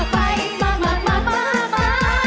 ไปมากมากมากมากมาก